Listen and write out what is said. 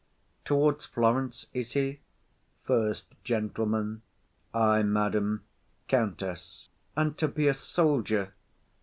Towards Florence is he? SECOND GENTLEMAN. Ay, madam. COUNTESS. And to be a soldier?